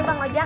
ini bang ojak